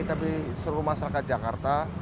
tapi seluruh masyarakat jakarta